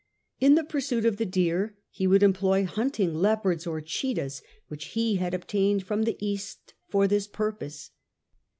In the pursuit of the deer he would employ hunting leopards, or cheetahs, which he had obtained from the East for this purpose.